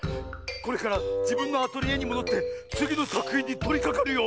これからじぶんのアトリエにもどってつぎのさくひんにとりかかるよ！